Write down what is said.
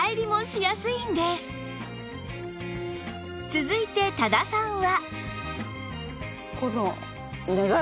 続いて多田さんは？